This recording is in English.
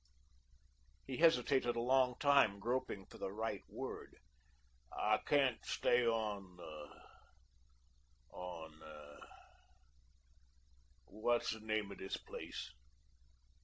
he hesitated a long time, groping for the right word, "I can't stay on on what's the name of this place?"